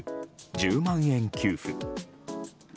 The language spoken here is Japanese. １０万円給付。